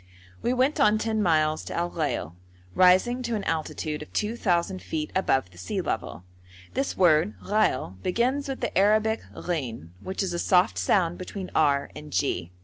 We went on ten miles to Al Ghail, rising to an altitude of 2,000 feet above the sea level. This word ghail begins with the Arabic ghin, which is a soft sound between r and g.